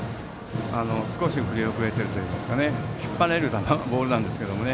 少し振り遅れているといいますか引っ張れるボールでしたけどね。